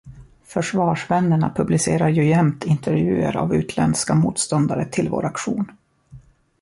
Försvarsvännerna publicerar ju jämt intervjuer av utländska motståndare till vår aktion.